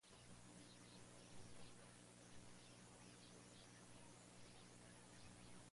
Su hospicio para viajeros de San Moritz, cerca de Hildesheim, se haría famoso.